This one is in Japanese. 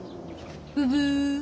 ブブ！